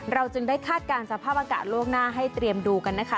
จึงได้คาดการณ์สภาพอากาศล่วงหน้าให้เตรียมดูกันนะคะ